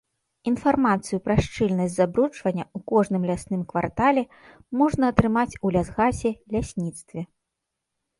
Інфармацыю пра шчыльнасць забруджвання ў кожным лясным квартале можна атрымаць у лясгасе, лясніцтве.